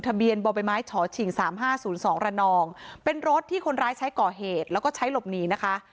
ทะเบียนบมฉฉ๓๕๐๒รนเป็นรถที่คนร้ายใช้ก่อเหตุแล้วก็ใช้หลบหนีนะคะ